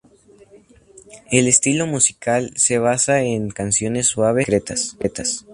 El estilo musical se basaba en canciones suaves y discretas.